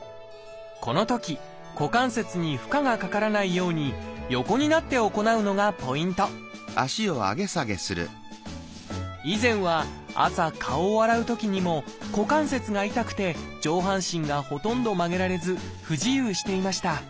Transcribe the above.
このとき股関節に負荷がかからないように以前は朝顔を洗うときにも股関節が痛くて上半身がほとんど曲げられず不自由していました。